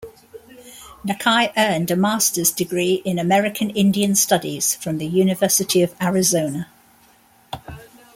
Nakai earned a master's degree in American Indian studies from the University of Arizona.